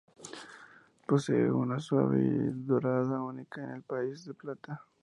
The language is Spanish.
Posee una arena suave y dorada única en el país del plata.